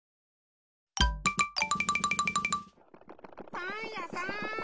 パンやさん。